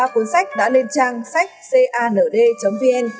hai trăm một mươi ba cuốn sách đã lên trang sách cand vn